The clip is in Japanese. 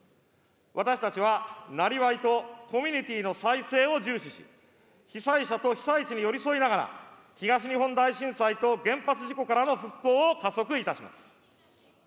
私たちはなりわいとコミュニティの再生を重視し、被災者と被災地に寄り添いながら、東日本大震災と原発事故からの復興を加速いたします。